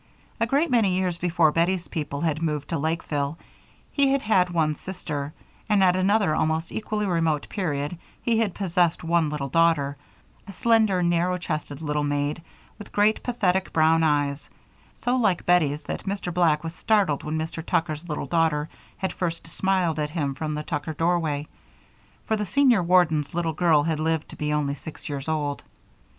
A great many years before Bettie's people had moved to Lakeville, he had had one sister; and at another almost equally remote period he had possessed one little daughter, a slender, narrow chested little maid, with great, pathetic brown eyes, so like Bettie's that Mr. Black was startled when Dr. Tucker's little daughter had first smiled at him from the Tucker doorway, for the senior warden's little girl had lived to be only six years old.